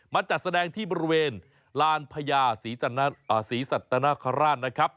จัดแสดงที่บริเวณลานพญาศรีสัตนคราชนะครับ